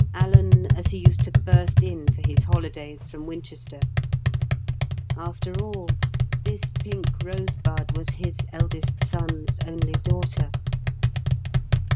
Alan, as he used to burst in for his holidays from Winchester! After all, this pink rosebud was his eldest son's only daughter.